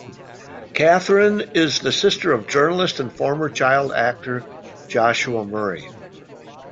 Katharine is the sister of journalist and former child actor Joshua Murray.